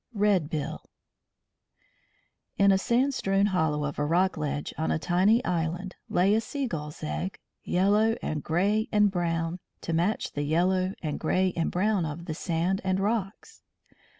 RED BILL In a sand strewn hollow of a rock ledge on a tiny island lay a seagull's egg, yellow and grey and brown, to match the yellow and grey and brown of the sand and rocks.